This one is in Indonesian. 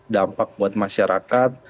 dampak buat masyarakat